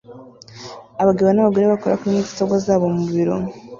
abagabo n'abagore bakora kuri mudasobwa zabo mu biro